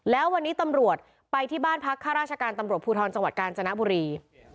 แล้ววันนี้ตำรวจไปที่บ้านพักข้าราชการตำรวจภูทรจังหวัดกาญจนบุรี